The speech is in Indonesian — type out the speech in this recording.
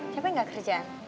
capek gak kerjaan